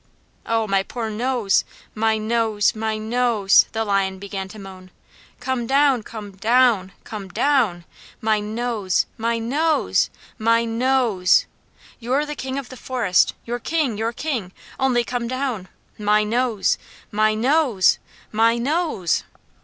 "O my poor nose, my nose, my nose!" the Lion began to moan. "Come down, come DOWN, come DOWN! My nose, my NOSE, my NOSE!! You're King of the Forest, you're King, you're King only come down. My nose, my NOSE, my NOSE!"